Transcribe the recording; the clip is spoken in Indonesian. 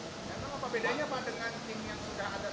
bagaimana bedanya pak dengan yang sudah ada